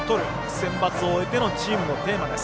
センバツを終えてのチームのテーマです。